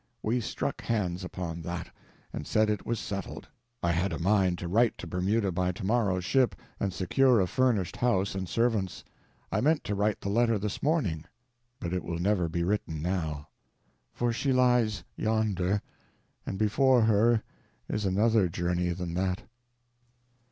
We struck hands upon that, and said it was settled. I had a mind to write to Bermuda by tomorrow's ship and secure a furnished house and servants. I meant to write the letter this morning. But it will never be written, now. For she lies yonder, and before her is another journey than that.